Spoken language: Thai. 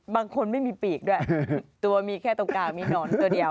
ไม่มีปีกด้วยตัวมีแค่ตรงกลางมีหนอนตัวเดียว